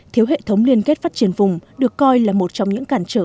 thiếu hệ thống liên kết phát triển vùng được coi là một trong những cản trở